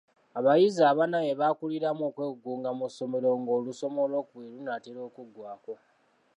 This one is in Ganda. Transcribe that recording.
Abayizi abana be baakuliramu okwegugunga mu ssomero ng'olusoma olw'okubiri lunaatera okuggwako.